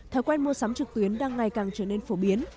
thói quen mua sắm trực tuyến đang ngày càng trở nên phổ biến